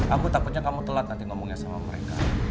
aku takutnya kamu telat nanti ngomongnya sama mereka